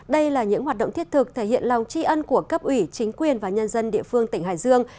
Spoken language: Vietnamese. đây là những hoạt động thiết thực thể hiện lòng tri ân của cấp ủy chính quyền và nhân dân địa phương tỉnh hải dương